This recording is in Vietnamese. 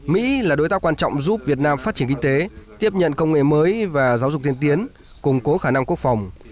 mỹ là đối tác quan trọng giúp việt nam phát triển kinh tế tiếp nhận công nghệ mới và giáo dục tiên tiến củng cố khả năng quốc phòng